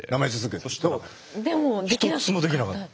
そしたら一つもできなかった。